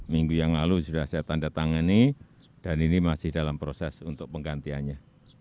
minggu yang lalu sudah saya tanda tangani dan ini masih dalam proses untuk penggantiannya